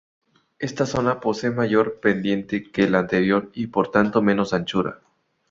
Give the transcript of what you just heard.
Esta zona posee mayor pendiente que la anterior y por tanto menos anchura.